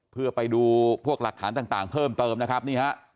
เพื่อไปดูพวกหลักฐานต่างเพิ่มเติมนะครับนี่ฮะ